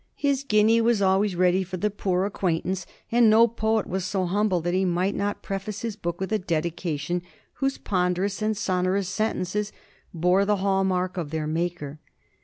His guinea was always ready for the poor acquaintance, and no poet was so humble that he might not preface his book with a dedication whose ponderous and sonorous sentences bore the hall mark of their maker.